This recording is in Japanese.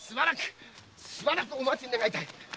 しばらくお待ち願いたい！